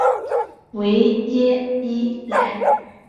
维耶伊莱。